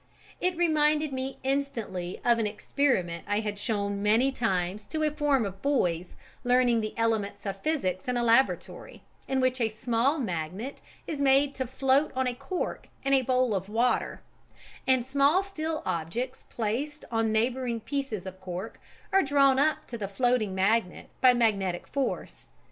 It reminded me instantly of an experiment I had shown many times to a form of boys learning the elements of physics in a laboratory, in which a small magnet is made to float on a cork in a bowl of water and small steel objects placed on neighbouring pieces of cork are drawn up to the floating magnet by magnetic force.